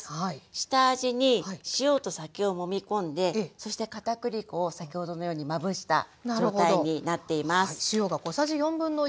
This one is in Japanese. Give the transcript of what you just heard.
下味に塩と酒をもみ込んでそして片栗粉を先ほどのようにまぶした状態になっています。